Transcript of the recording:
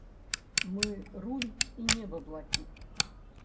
Мы, рунь і неба блакіт.